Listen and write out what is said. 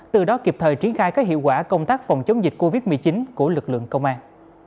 từ đó kịp thời triển khai các hiệu quả công tác phòng chống dịch covid một mươi chín của lực lượng công an